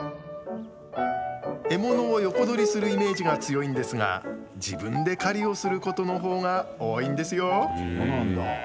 獲物を横取りするイメージが強いんですが自分で狩りをすることの方が多いんですよ。